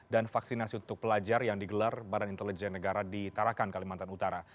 dan vaksinasi untuk pelajar yang digelar badan intelijen negara di tarakan kalimantan utara